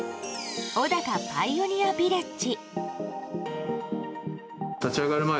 小高パイオニアヴィレッジ。